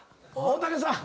大竹さん。